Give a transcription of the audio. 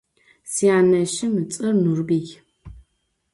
Syaneşım ıts'er Nurbıy.